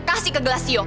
kasih ke grasio